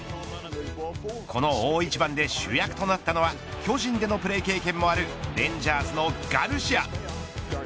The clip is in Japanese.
この大一番で主役となったのは巨人でのプレー経験もあるレンジャーズのガルシア。